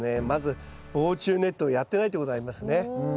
まず防虫ネットをやってないってことがありますね。